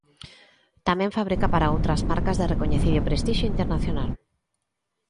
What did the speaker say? Tamén fabrica para outras marcas de recoñecido prestixio internacional.